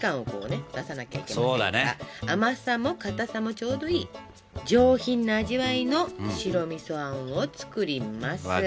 甘さも固さもちょうどいい上品な味わいの白みそあんを作ります。